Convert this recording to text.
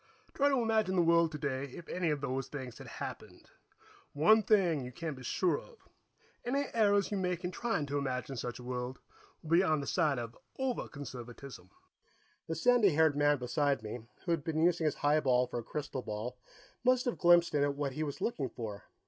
Try to imagine the world today if any of those things had happened. One thing you can be sure of any errors you make in trying to imagine such a world will be on the side of over conservatism." The sandy haired man beside me, who had been using his highball for a crystal ball, must have glimpsed in it what he was looking for.